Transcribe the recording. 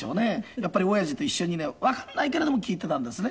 やっぱり親父と一緒にねわかんないけれども聴いてたんですね。